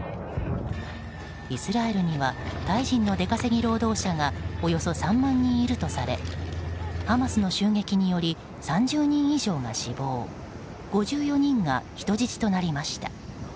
イスラエルにはタイ人の出稼ぎ労働者がおよそ３万人いるとされハマスの襲撃により３０人以上が死亡５４人が人質となりました。